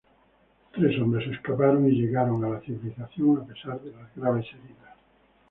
Tres hombres escaparon y llegaron a la civilización a pesar de las graves heridas.